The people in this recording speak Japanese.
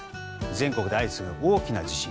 全国で相次ぐ大きな地震。